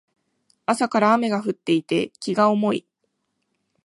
朝から雨が降っていて気が重い